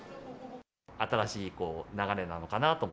新しい流れなのかなと。